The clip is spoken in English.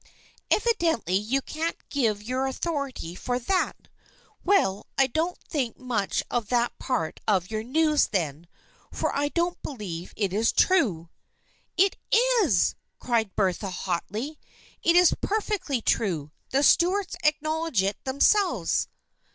" Evidently you can't give your authority for that. Well, I don't think much of that part of your news, then, for I don't believe it is true." " It is !" cried Bertha hotly. " It is perfectly true. The Stuarts acknowledge it themselves."